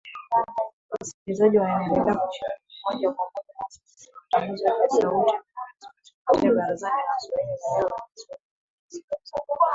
Wasikilizaji waendelea kushiriki moja kwa moja hasa katika matangazo yetu ya Sauti ya Amerika Express kupitia Barazani na Swali la Leo, Maswali na Majibu, na Salamu Zenu